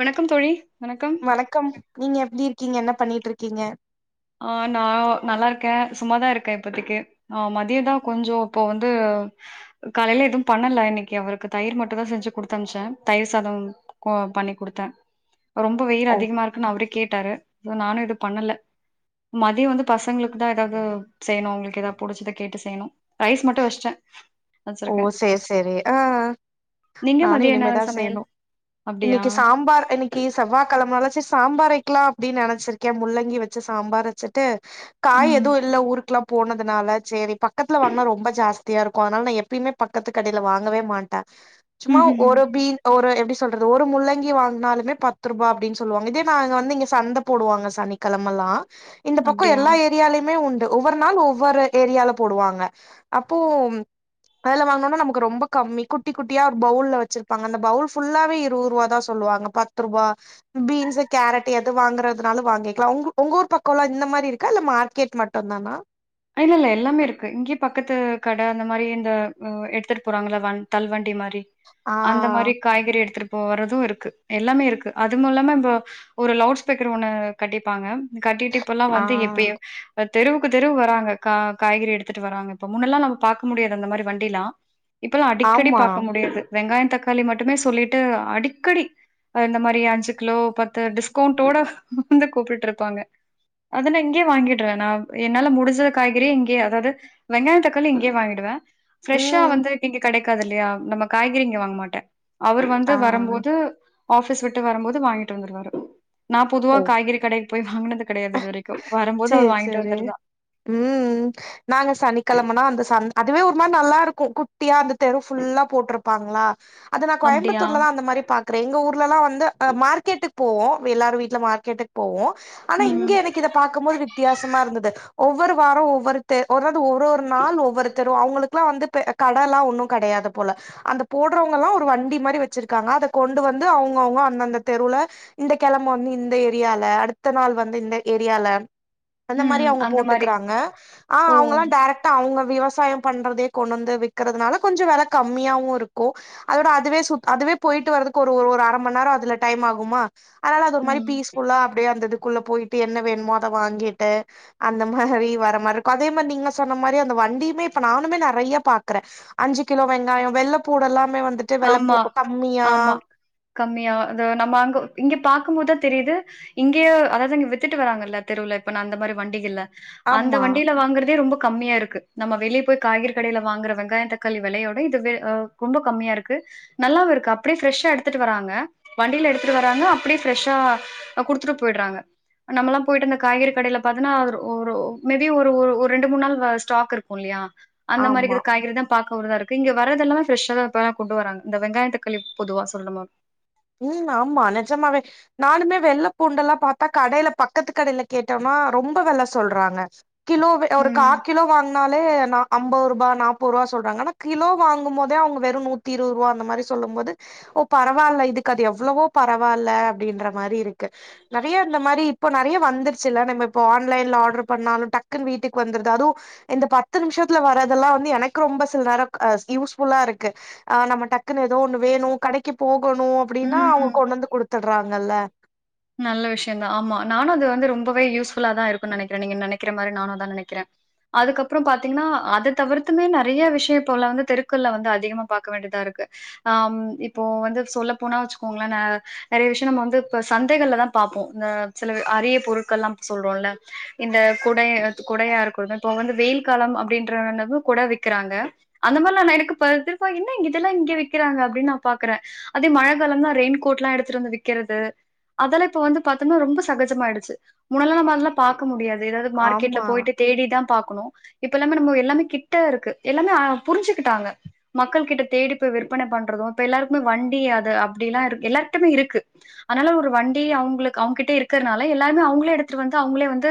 வணக்கம் தோழி வணக்கம் வணக்கம் நீங்க எப்டி இருக்கீங்க என்ன பண்ணிட்ருக்கீங்க ஆ நா நல்லா இருக்கே சும்மாதா இருக்கே இப்பதிக்கு ஆ மதியதா கொஞ்சோ இப்ப வந்து காலையில எது பண்ணல இன்னைக்கி அவருக்கு தயிர் மட்டுதா செஞ்சு குடுத் அனுப்ச்சே தயிர் சாதம் கோ பண்ணி குடுத்தே ரொம்ப வெயில் ஓ அதிகமா இருக்குன்னு அவரே கேட்டாரு நானு எது பண்ணல மதியோ வந்து பசங்களுக்கு தா ஏதாவது செய்யணு அவங்களுக்கு ஏதா புடிச்சத கேட்டு செய்யணு ரைஸ் மட்டு வச்டே ஓ சேரி சேரி ஆ நீங்க நானு மதியோ என்ன இனிமேதா சமையல் செய்யணு அப்டியா இன்னைக்கி சாம்பார் இன்னைக்கி செவ்வாய் கிழமல சுஸ் சாம்பாரைக்கலா அப்டின் நனச்சிருக்கே முள்ளங்கி வச்சு சாம்பார் வச்சுட்டு காய் ம் எதுவு இல்ல ஊருக்குலா போனதுனால சேரி பக்கத்துல வாங்கினா ரொம்ப ஜாஸ்தியா இருக்கு அதனால நா எப்பயுமே பக்கத்து கடயில வாங்கவே மாட்டே சும்மா ம் ம் ம் ஒரு பீ ஒரு எப்டி சொ சொல்றது ஒரு முள்ளங்கி வாங்னாலுமே பத்து ரூபா அப்டின்னு சொல்லுவாங்க இதே நா வந்துங்க சந்த போடுவாங்க சனிக் கெழமல்லா இந்த பக்கோ அப்டியா எல்லா ஏரியாலையுமே உண்டு ஒவ்வொரு நாள் ஒவ்வொரு ஏரியால போடுவாங்க அப்போம் அதுல வாங்கனோனா நமக்கு ரொம்ப கம்மி குட்டி குட்டியா ஒரு பவுல்ல வச்சிருப்பாங்க அந்த பவுல் ஃபுல்லாவே இருவது ரூவா தா சொல்லுவாங்க பத் துருவா பீன்ஸ் கேரட் எது வாங்குறதுனால வாங்கிக்கலா உங் உங்க ஊர் பக்கலா இந்த மாரி இருக்கா இல்ல மார்க்கெட் மட் டுந்தானா இல்ல இல்ல எல்லாமே இருக்கு இங்கேயே பக்கத்து கடை அந்த மாரி இந்த அ எடுத்துட்டு போறாங்கள வ தள் வண்டி மாரி ஆ அந்த மாதி காய்கறி எடுத்துட்டு போ வறது இருக்கு எல்லாமே இருக்கு அது மூலமா இப்ப ஒரு லவுட் ஸ்பீக்கர் ஒண்ணு கட்டிப்பாங்க கட்டிட்டு இப்ப எல்லா ஆ வந்து எப்பயு அ தெருவுக்கு தெருவு வராங்க அ க காய்கறி எடுத்துட்டு வராங்க இப்ப முன்னெல்லா நம்ம பாக்க முடியாது அந்த மாரி வண்டிலா இப்பல்லா அடிக்கடி ஆமா பாக்க முடியிது வெங்காயம் தக்காளி மட்டுமே சொல்லிட்டு அடிக்கடி அ இந்த மாரி அஞ்சு கிலோ பத்து டிஸ்கவுண்டோட வந்து கூப்பிட்டு இருப்பாங்க அத நா இங்கேய வாங்கிடுறே நா என்னால முடிஞ்ச காய்கறி இங்கேயே அதாவது வெங்காய தக்காளி இங்கேயே வாங்கிடுவே பிரஷ்ஷா ம் வந்து இங்க கெடைக் க்காதுல்லயா நம்ம காய்கறி இங்க வாங்க மாட்டே அவர் வந்து ஆ வரும்போது ஆபிஸ் விட்டு வரும்போது வாங்கிட்டு வந்துருவாரு நா பொதுவா ஓ காய்கறி கடைக்கு போய் வாங்குனது கெடயாது இது வரை க்கு வரும்போது அவரு சேர் வாங்கிட்டு சேரி வந்துருதா ம் நாங்க சனிக்கிழமைனா அந்த சந் அதுவே ஒரு நல்லா இருக்கு குட்டியா அந்த தெரு ஃபுல்லா போட்டிருப்பாங்களா அது நா அப்டியா? கோயம்புத்தூர்ல தா அந்த மாரி பாக் கிறே எங்க ஊர்லா வந்து அ மார்கெட்டுக்கு போவோ எல்லாரு வீட்ல மார்க்கெட்டுக்கு போவோ ஆனா இங்க ம். எனக் இதை பாக்கும்போது வித்தியாசமா இருந்தது ஒவ்வொரு வாரோ ஒவ்வொருத்து ஒருது ஒரு ஒரு நாள் ஒவ்வருத்தர் றோ அவங்களுக்குல்லா வந்து பெ கட எல்லா ஒன்னு கெடையது போல அந்த போடுறவங்க எல்லா ஒரு வண்டி மாரி வெச்சிருக்காங்க அத கொண்டு வந்து அவங்கவுங்க அந்தந்த தெருவுல இந்த கிழம வந்து இந்த ஏரியால அடுத்த நாள் வந்து இந்த ஏரியால அந்த மாரி ம். அவுங்க அந்த மாரி. போட்டுக்கிறாங்க ஆ ஓ! அவங்கல்லாம் டெரக் டா அவுங்க விவசாயம் பண்றதேயே கொண்டு வந்து விக்கிறனால கொஞ்ச கம்மியாவு இருக்கு அதோட அதுவே சு அதுவே போயிட்டு வறதுக்கு ஒரு ஒரு அரை மணி நேர அதுல டைம் ஆகுமா அதனால அது ஒரு மாதிரி ம். பீஸ்ஃபுல்லா அப்டியே அந்த இதுக்குள்ள போயிட்டு என்ன வேணுமோ அத வாங்கிட்டு அந்த மாரி வர மாரி இருக்கு அதே மாரி நீங்க சொன்ன மாரி அந்த வண்டியுமே இப்ப நானுமே நெறைய பாக்குறே அஞ்சு கிலோ வெங்காய வெள்ளைப்பூடெல்லாமே வந்துட்டு வெள்ளைப்பூ ஆமா, கம்மியா ஆமா. கம்மியா அத நம்ம அங்க இங்க பாக்கும் போதா தெரியிது இங்கய அதாவது இங்க வித்துட்டு வராங்கல்ல தெருவுல இப்ப நா அந்த மாரி வண்டிகள்ல அந்த ஆமா வண்டியில வாங்கறதே ரொம்ப கம்மியா இருக்கு நம்ம வெளியே போய் காய்கறி கடையில வாங்கற வெங்காய தக்காளி வெலையோட இது அ ரொம்ப கம்மியா இருக் கு நல்லாவு இருக்கு அப்டியே ஃபிரெஷ்ஷா எடுத்துட்டு வராங்க வண்டியில எடுத்துட்டு வராங்க அப்டியே ஃப்ரஷ்ஷா அ குடுத்துட்டு போயிறாங்க நம்மளா போயிட்டு அந்த காய்கறி கடையில பாத்தன்னா ஒரு ஒரு மேபி ஒரு ஒரு ஒரு ரெண்டு மூணு நாள் ஸ்டாக் இருக் கு இல்லயா அந்த ஆமா மாரிக்கு காய்கறிதா பாக்கறதா இருக்கு இங்க வரததுல்ல ப்ரெஷ்தா இப்ப கொண்டு வராங்க இந்த வெங்காய தக்காளி பொதுவா சொந்தமா ம் ஆமா நெஜமாவே நானுமே வெள்ளை பூண்ட எல்லா பாத்தா கடையில பக்கத்து கடையில கேட்டோம்னா ரொம்ப வெல சொல்றாங்க கிலோவே ஒரு ம். காக் கிலோ வாங் னாலே நா ஐம்பது ரூபா நாப்பது ரூபா சொல்றாங்கா ஆனா கிலோ வாங்கும்போதே அவங்க வெறு நூத் தி இருவது ரூபா அந்த மாரி சொல்லும் போது ஓ பரவால்ல இதுக் கு அது எவ்ளவோ பரவாயில்ல அப்டின்ற மாரி இருக்கு நெறைய இந்த மாரி இப்போ நெறைய வந்துருச்சு இல்ல நம்ம இப்ப ஆன்லைன்ல ஆர்டர் பண்ணாலு டக்குன்னு வீட்டுக்கு வந்துருது அதுவு இந்த பத்து நிமிஷத்துல வர்றதெல்லா வந்து எனக்கு ரொம்ப சில நேரோ யூஸ்ஃபுல்லா இருக்கு ஆ நம்ம டக்குன்னு ஏதோ ஒண்ணு வேணு கடைக்கு போகணு அப்டின்னா ம். அவுங்க கொண்டு வந்து குடுத்துடுறாங்கல்ல நல்ல விஷ்யோ தா ஆமா நானு அது ரொம்பவே யூஸ்ஃபுல்ல தா இருக்குன்னு நெனைக்கிரே நீங்க நெனைக்கிற மாரி நானு அதா நெனைக்றே அதுக்கப்புறம் பாத்தீங்கன்னா அத தவிர்த்துமே நெறைய விஷய இப்பல்லா வந்து தெருக்கள்ல்ல வந்து அதிகமா பாக்க வேண்டியதா இருக்கு ஆம் இப்போ வந்து சொல்ல போனா வச்சுக்கோங்ளே நெ நெறைய விஷ்யோ நம்ம வந்து இப்ப சந்தைகள்ல தா பாப்போ இந்த சில அரிய பொருட்கள்ல்லா சொல்றோம்ல இந்த குடை குடையா இருக்கு [unintelligible] இப்போ வந்து வெயில் காலம் அப்டின்றனவு கொட விக்கிறாங்க அந்த மாரி நா [unintelligible] என்ன இங்க இதெல்லா இங்க வைக்கிறாங்க அப்டின்னு நா பாக்குறே அதே மழ காலம்னா ரெயின்கோட்ல்லா எடுத்துட்டு வந்து விக்கிறது அதெலா இப்ப வந்து பாத்தோம்னா ரொம்ப சகஜமாயிடுச்சு முன்னால நம்ம அதெல்ல பாக்க முடியாது ஏதாது மார்கெட்ல ஆமா போயிட்டு தேடிதா பாக்கணு இப்ப எல்லாமே நம்ம எல்லாமே கிட்ட இருக்கு எல்லாமே அ புரிஞ்சுக்கிட்டாங்க மக்கள் கிட்ட தேடி போய் விற்பனை பண்றது இப்ப எல்லாருக்குமே வண்டி அது அப்டிலா எல்லாருட்யுமே இருக்கு அதனால ஒரு வண்டி அவ்ங்களுக்கு அவ்ங்ககிட்ட இருக்கிறதுனால எல்லாருமே அவ்ங்களே எடுத்துட்டு வந்து அவ்ங்களே வந்து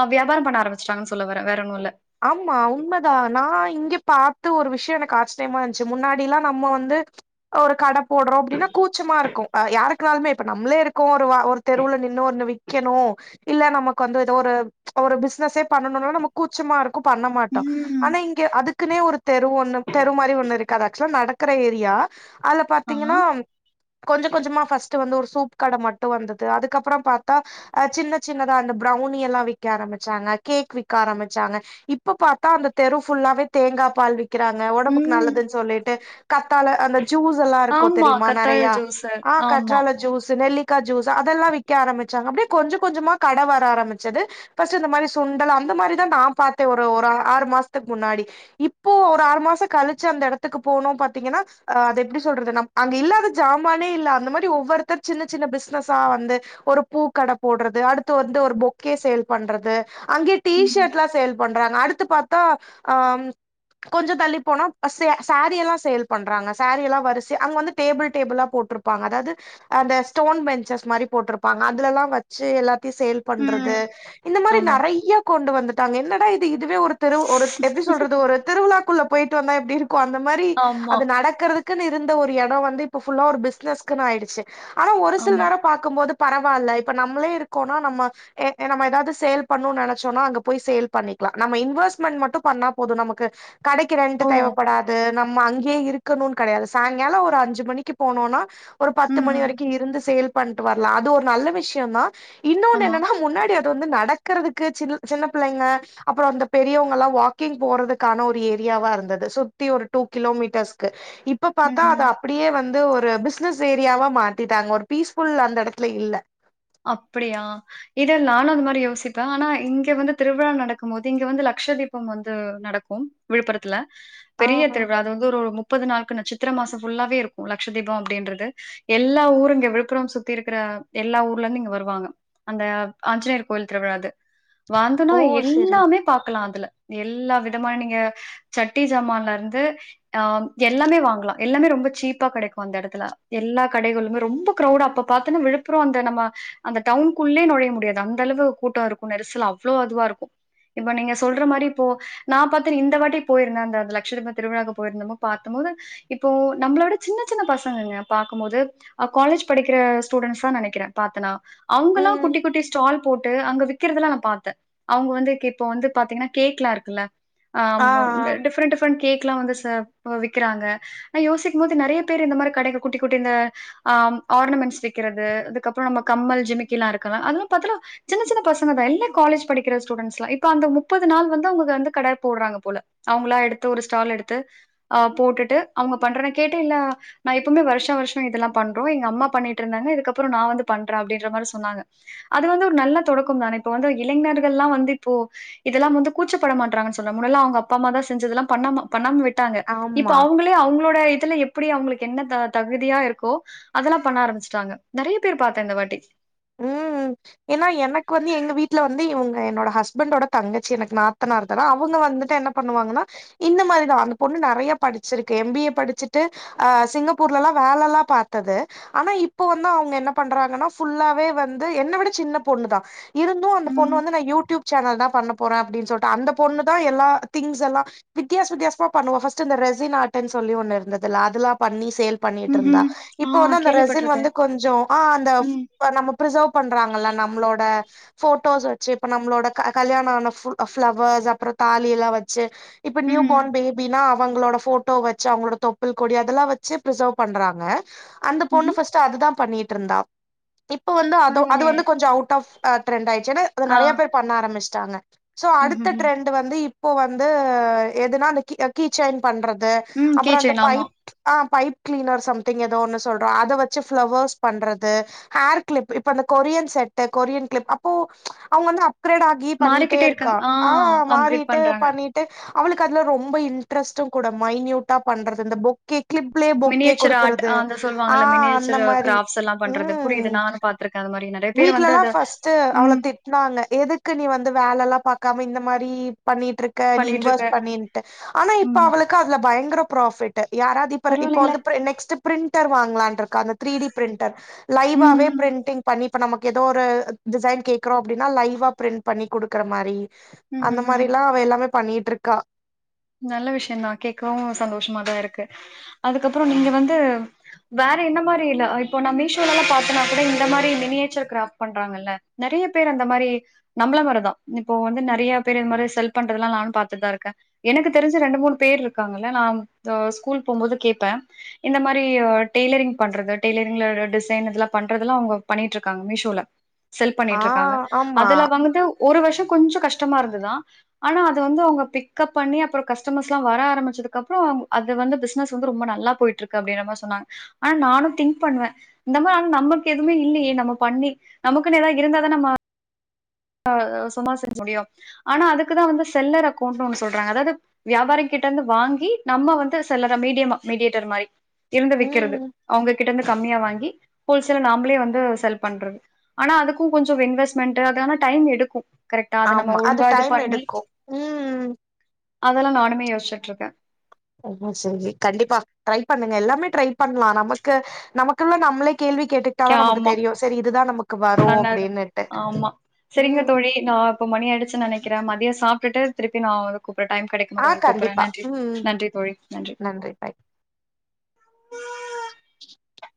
அ வியாபாரம் பன்ன ஆரம்பச்டாங்கன்னு சொல்லவரே வேற ஒன்னு இல்ல ஆமா உண்மதா நா இங்கே பாத்து ஒரு விஷ்யோ எனக்கு ஆச்ரியமா இருஞ்ச்சு முன்னாடி ல நம்ம வந்து ஒரு கட போடுறோ அப்டின்னா கூச்சமா இருக்கு அ யாருக்குனாலுமே இப்ப நம்ளே இருக்கோ ஒரு ஒரு தெருல நின்னு ஒன்னு விக் க்கினு இல்ல நமக்கு வந்து ஏதோ ஒரு ஒரு பிசினஸே பண்ணணும்னா நமக் கூச் கூச்சமா இருக்கு பண்ண மாட்டோ ம் ஆனா இங் அதுக்குன்னே ஒரு தெரு ஒண்ணு தெரு மாரி ஒண்ணு இருக்குது ஆக்சுவலா அது நடக்கர ஏரியா அதுல ஆ பாத்தீங்கன்னா கொஞ்ச கொஞ்சமா ஃபஸ்ட் வந்து ஒரு சூப்பு கட மட்டு வந்தது அதுக்கப்ரோ பாத்தா அ சின்ன சின்னதா அந்த பிரௌனி எல்லா விக்க ஆரம்பிச்சாங்க கேக் விக்க ஆரம்பிச் ச்சாங்க இப்ப பாத்த அந்த தெரு புல்லாவே தேங்கா பால் விக்கு விக்கிறாங்க ஒடம்புக்கு ம் நல்லதுன்னு சொல்லிட்டு கத்தால அந்த ஜூஸ்ஸெல்லா இருக்கு ஆமா தெரியுமா கத்தாழ நெறையா ஜூஸு ஆ ஆமா கற்றால ஜூஸ்ஸூ நெல்லி க்கா ஜூஸ் அதெல்லா விக்க ஆரம்பிச்சாங்க அப்டியே கொஞ்ச கொஞ்சமா கட வர ஆரம்பிச்சது ஃபர்ஸ்ட் இந்த மாரி சுண்டல் அந்த மாரிதா நா பாத்தே ஒரு ஒரு ஆறு மாசத்துக்கு முன்னாடி இப்போ ஒரு ஆறு மாசொ கழிச்சு அந்த எடத்துக்கு போனு பாத்தீங்ன்னா அ அது எப்டி சொல்றது ந அங்க இல்லாத ஜாமானே இல்ல அந்த மாரி ஒவ்வொருத்தர் சின்ன சின்ன பிஸ்னஸா வந்து ஒரு பூக்கட போட்றது அடுத்து வந்து ஒரு பொக்கே சேல் பண்றது அங்கே ம் டிஷர்ட் லா சேல் பண்றாங்க அடுத்து பாத்தா ஆ கொஞ்ச தள்ளிப்ப போனா [inaudible] சேரீ எல்லா சேல் பண்றாங்க சேரீ எல்லா வரிசையா அங்க வந்து டேபிள் டேபிளல்லா போட்டிருப் அதாது அந்த ஸ்டோன் பெஞ்சஸ் மாரி போட்டிருப்பாங்க அதுலல்லா வச்சு எல்லாத்யு சேல் பண்றது ம் இந்த மாரி ஆமா நெறைய கொண்டு வந்துட்டாங்க என்னடா இது இதுவே ஒரு திரு ஒரு எப்டி சொல்றது ஒரு திருவிழாக்குள்ள போயிட்டு வந்தா எப்டி இருக்குஅந்த மாரி ஆமா அது நடக்கறதுக் இருந்த ஒரு எடோ வந்து இப்ப புல்லா பிசினஸ்க்ன்னு ஆயிடுச்சு ஆனா ஒரு சில ஆமா நேரோ பாக்கும்போது பரவால்ல இப்ப நம்மளே இருக்கோனா நம்ம நம்ம ஏதாவது சேல் பண்ணனு நெனைச்சோனா அங்க போய் சேல் பண்ணிக்கலா நம்ம இன்வெஸ்ட்மெண்ட் மட்டு பண்ணா போது நமக்கு கடைக்கு ரென்ட் ஓ தேவைப்படாது நம்ம அங் கே இருக்குனு கெடையாது சாயங்காலோ ஒரு அஞ்சு மணிக்கு போனோன்னா ஒரு பத்து மணி ம் வரைக்கு இருந்து சேல் பண்ட்டு வர்லா அது ஒரு நல்ல விஷ்ய தா இன்னொன்னு ஆமா என்னன்னா முன்னாடி அது வந்து நடக்கிறதுக்கு சின் சின்ன பிள்ளைங்க அப்பரோ அந்த பெரியவங்க எல்லா வாக்கிங் போறதுக்கான ஒரு ஏரியாவா இருந்தது சுத்தி ஒரு டூ கிலோமீட்டர்ஸ்க்கு இப் இப்ப பாத்தா அத ம். அப்டியே வந்து ஒரு பிஸ்னஸ் ஏரியாவா மாத்திட்டாங்க ஒரு பீஸ்ஃபுல் அந்த எடத்துல இல்ல அப்புடியா இல்ல நானு அது மாரி யோசிப்ப ஆனா இங்க வந்து திருவிழா நடக்கும் போது இங்க வந்து லக்ட்ச தீபம் வந்து நடக்கும் விழுப்புரத்துல ஆ பெரிய திருவிழா அது வந்து ஒரு ஒரு முப் முப்பது நாளுக்கு இந்த சித்துர மாசோ ஃபுல்லாவே இருக்கு லக்ட்ச தீபோ அப்டின்றது எல்லா ஊரு இங்க விழுப்புரம் சுத்தி இருக்குற எல்லா ஊர் ஊர்ல இருந்து இங்க வருவாங்க அந்த ஆஞ்சநேயர் கோயில் திருவிழாது வாந்தனா ஓ செரி எல்லாமே பாக்கலா அதுல எல்லா விதமா நீங்க சட்டி ஜமான்ல இருந்து ஆம் எல்லாமே வாங்கலா எல்லாமே ரொம்ப சீப்பா கெடைக்கு அந்த எடத்துல எல்லா கடைகளுமே ரொம்ப கிரவுடா அப் அப் பாத்தன்னா விழுப்புரோ அந்த நம்ம அந்த டவுனுக்குள்ளே நொழைய முடியாது அந்த அளவு கூட்டோ இருக்கு நெருசல் அவ்வளோ அதுவா இருக்கு இப்ப நீங்க சொல்ற மாரி இப்போ நா பாத்த இந்த வாட்டி போயிருந்த அந்த லக்ட்ச தீப திருவுழாக்கு போயிருந்தமோ பாத்தம்போது இப்போ நம்மளோட சின்ன சின்ன பசங்கங்க பாக்கம் போது அ காலேஜ் படிக்கிற ஸ்டூடெண்ட்ஸ் தா நெனைக்கிற பாத்த நா அவங்கல்லா ம் குட்டி குட்டி ஸ்டால் போட் ட்டு அங்க விக்கிறதெல்ல நா பாத்த அவுங்க வந்து இப்ப வந்து பாத்தீங்கன்னா கேக் எல்லா இருக்குல்ல ஆ ஆமா டிஃப்ரெண்ட் டிஃப்ரெண்ட் கேக் எல்லா வந்து ச இப்போ விக்கிறாங்க நா யோசிக்கும் போது நறையா பேரு இந்த மாரி கடைக்கு குட்டி குட்டி இந்த ஆ ஆர்னமெண்ட்ஸ் விக்கிறது அது அதுக்கப்புறோ நம்ம கம்மல் ஜிமிக்கி எல்லா இருக்குல்ல அதலாம் பத்தால சின்ன சின்ன பசங்கதா எல்லா காலேஜ் படிக்க ஸ்டூடண்ட்லா இப்ப அந்த முப்பது நாள் வந்து அவுங்க வந்து கட போடுறாங்க போல அவங்களா எடுத்து ஒரு ஸ்டால் எடுத்து அ போட்டுட்டு அவுங்க பண்ற கேட்டு இல்லா நா எப்பமே வருஷோ வருஷோ இதெல்லாம் பண்றோ எங்க அம்மா பண்ணிட்டு இருந்தாங்க இதுக்கப்புறோ நா வந்து பண்ற அப்டின்ற மாரி சொன்னாங்க அது வந்து ஒரு நல்ல தொடக்கம் தான இப்ப வந்து இளைஞர்கள்லா வந்து இப்போ இதெல்லாம் வந்து கூச்சப்பட மாட்டறாங்கன் சொல்வ முன்னெல்லா அவுங்க அப்பா அம்மா தா செஞ்சதெல்லாம் பண்ணமா பண்ணாம விட்டாங்க ஆ இப்ப ஆமா அவுங்களே அவங்களோட இதுல எப் அப்டி அவுங்களுக்கு என்ன த தகுதியா இருக்கோ அதெல்லா பண்ண ஆரம்பிச்சட்டாங்க நறையா பேர் பாத்த இந்த வாட்டி ம் ஏன்னா எனக்கு வந்து எங்க வீட்ல வந்து இவங்க என்னோட ஹஸ்பண்டோட தங்கச்சி எனக்கு நாத்தனான்ரதல்லா அவுங்க வந்துட்டு என்னப் பண்ணுவாங்கன்னா இந்த மாரிதா அந்த பொண்ணு நறையா படுச்சுருக்கு எம் பி ஏ படுச்சுட்டு அ சிங்கப்பூர்ல எல்லா வேல எல்லா பாத்தது ஆனா இப்போ வந்து அவுங்க என்ன பண்றாங்கன்னா ஃபுல்லா அதுவே வந்து என்ன விட சின்ன பொண்ணு தா இருந்து அந்த பொண்ணு ம். வந்து நா யூடியூப் சேனல் தா பண்ணப் போற அப்டின் சொல்ட்டு அந்த பொண்ணு தா எல்லா திங்ஸ் எல்லா வித்தியாச வித்தியாசமா பண்ணுவா ஃபஸ்ட்டு இந்த ரெசின்னாட்டுன் சொல்லி ஒன்னு இருந்ததுல அதெல்லா பண்ணி சேல் பண்ணிட்ருந்தா ம்ஹ்ம். ஆ இப்போ வந்து அந்த ரெசின் கேள்விப்பட்டுருக்கேன். வந்து கொஞ்சோ ஆ அந்தஃப் ம். இப்ப நம்ப பிரிசோவ் பண்றாங்கல்ல நம்மளோட ஃபோட்டோஸ் வெச்சு இப்ப நம்மளோட க கல்யாணோ ஆன புஃ புஃளவர்ஸ் அப்புறோ தாலி எல்லா வெச்சு இப்ப ம். நியூபான் பேப் பினா அவங்களோட ஃபோட்டோ வெச்சு அவுங்களோட தொப்புல் கொடி அதெல்லா வெச்சு பிரிசோவ் பண்றாங்க அந்த பொண்ணு ம்ஹ்ம். ஃபஸ்ட்டு அதுதாம் பண்ணிட்டு இருந்தா இப்ப வந்து அதோ அது பரவாயில்லையே! வந்து கொஞ்சோ அவுட் ஆஃப் டிரென்டாயிருச்சு ஏனா அது ஆ. நறையா பேர் பண்ண ஆரம்பிச்சுட்டாங்க சோ அடுத்த ம்ஹ்ஹ்ம். ட்ரெண்டு வந்து இப்போ வந்து எதுனா அந்த கீ அ கீ செயின் பண்றது ம் கீ அப்புறோ அந்த செயின் ஆமா. பைப் ஆ பைப் கிளீனர் சம்திங் எதோ ஒன்னு சொல்றோ அத வெச்சு புஃளவர்ஸ் பண்றது ஹேர் கிளிப் இப்ப அந்த கொரியன் செட்டு கொரியன் கிளிப் அப்போ அவுங்க வந்து அப்கிரேடு ஆகு கீ பண்ணிட்டே மாறிக்கிட்டே இருக்கா இருக்காங்க. ஆ அப்கிரேட் மாறிட்டு பண்றாங்க. பண்ணிட் அவுளுக்கு அதுல ரொம்ப இன்ட்ரெஸ்ட்டு கூட மைனியூட்டா பண்றது இந்த பொக் க்கிளிப்லே பொக்கே மினியேச்சர் ஆர்ட் குடுக்குறது அந்த ஆ சொல்லுவாங்கல்ல அந்த மினியேச்சர் மாரி ம் பாத்துருக்கே அந்த மாரி நா வீட்ல எல்லா ஃபஸ்ட்டு அவள திட் ட்னால எதுக்கு நீ வந்து வேல எல்லா பாக்காம இந்த மாரி பண்ணிட்டு இருக்க க்க நீ பண்ணிட்ருக்கே இன்வெஸ்ட் பண்ணிட்டு ஆனா இப்ப ம் அவளுக்கு அதுல பயங்கர ப்ராபிட் யாராவது இப்ப பரவால்லைங்களே வந்து நெக்ஸ்ட்டு பிரிண்டர் வாங்கலான் இருக்க அந்த த்ரீ டி பிரிண்டர் ம் லைவாவவே ம் பிரிண்டிங் இப்ப நமக்கு ஏதோ ஒரு டிசைன் கேக்குறோ அப்டின்னா லைவா பிரிண்ட் பண்ணி குடுக்குற மாரி ம் அந்த ம் ம் மாரில்லா அவ எல்லாமே பண்ணிட்டு இருக்கா நல்ல விஷயோ தா கேட்கவு சந்தோஷமாதா இருக்கு அதுக்கப்பறோ நீங்க வந்து வேற எந்த மாரி இல்ல இப்போ நா மீஷோல எல்லா பாத்தனா கூட இந்த மாரி மினியேச்சர் கிராஃப்ட் பண்றாங்கல்ல நெறய பேர் அந்த மாரி நம்மள மாரி தா இப்போ வந்து நெறய பேர் இந்த மாரி செல் பண்றதெல்லா நானு பாத்துட்டுதா இருக்கே எனக்கு தெரிஞ்சு ரெண்டு மூனு பேர் இருக்காங்கல்ல நா ஸ்கூல் போகும்போது கேப்பே இந்த மாரி டெய்லரிங் பண்றது டெய்லரிங்ல டிசைன் இதெல்லா பண்றதெல்லா அவுங்க பண்ணிட்டு இருக்காங்க மீஷோல செல் ஆ பண்ணிட்டு இருக்காங்க ஆமா அதுல வந்து ஒ ஒரு வருஷ கொஞ்சோ கஷ்டமா இருந்ததா ஆனா அது வந்து அவுங்க பிக்கப் பண்ணி அப்பறோ கஸ்டமர்ஸ் எல்லா வர ஆரம்பிச்சதுக்குப்பறோ அது வந்து பிசினஸ் வந்து ரொம்ப நல்லா போயிட்டு இருக்கு அப்டின்ற மாரி சொன்னாங்க ஆனா நானு திங்க் பண்ணுவே இந்த மாரி நமக்கு எதுமே இல்லயே நம்ம பண்ணி நமக்குன் ஏதாவது இருந்தாதா நம்ம ஆ சுமார் செஞ்ச முடியு ஆனா அதுக்குதா வந்து செல்லர் அக்கௌண்ட் ஒன்னு சொல்றாங்க அதாவது வியாபாரி கிட்ட இருந்து வாங்கி நம்ம வந்து செலற மீடியமா மீடியேட்டர் மாரி இருந்து விக்குறது ம் அவுங்க கிட்ட இருந்து கம்மியா வாங்கி ஹோல்சேல நாமளே வந்து செல் பண்றது ஆனா அதுக்கு கொஞ்சோ இன்வெஸ்ட்மெண்ட்டு அது ஆனா டைம் எடுக்கு கரெக்டா அத நம்ம ஆமா அது ஒழுங்கா இது டைம் பண்ணி எடுக்கு ம் அதெல்லா நானுமே யோசிச்சுட்டு இருக்கே செரி கண்டிப்பா ட்ரை பண்ணுங்க எல்லாமே ட்ரை பண்லா நமக்கு நமக்குள்ள நம்மளே கேள்வி கேட்டு நா கே நமக்கு ஆமா தெரியு செரி இதுதா நமக்கு வரு அப்டின்னுட்டு உம் மெயின் ஆ இப்ப மணி ஆயிடுச்சுன் நெனக்குறே மதிய சாப்ட்டுட்டு திருப்பி நா அவருக்கு டைம் கெடைக்கு ஆ உங்களுக்கு கூப்புறே கண்டிப்பா நன்றி ம் நன்றி தோழி நன்றி நன்றி பாய் [inaudible]